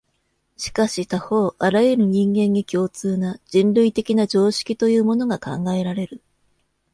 しかし他方、あらゆる人間に共通な、人類的な常識というものが考えられる。